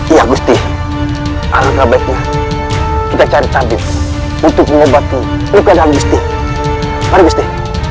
ya gusti alangkah baiknya kita cari tabib untuk mengobati luka dalam gusti